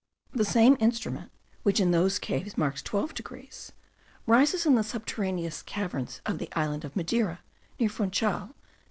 The same instrument which in those caves marks 12 degrees, rises in the subterraneous caverns of the island of Madeira, near Funchal, to 16.